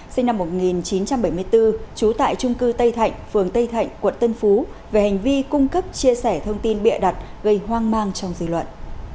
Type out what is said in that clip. sinh năm một nghìn chín trăm bảy mươi bốn trú tại trung cư tây thạnh phường tây thạnh quận tân phú về hành vi cung cấp chia sẻ thông tin bịa đặt gây hoang mang trong dư luận